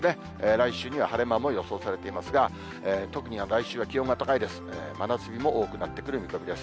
来週には晴れ間も予想されていますが、特に来週は気温が高いです。